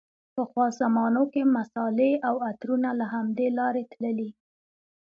پخوا زمانو کې مصالحې او عطرونه له همدې لارې تللې.